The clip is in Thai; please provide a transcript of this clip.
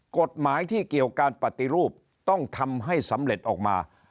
กฎหมายที่เกี่ยวการปฏิรูปต้องทำให้สำเร็จออกมา